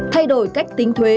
thay đổi cách tính thuế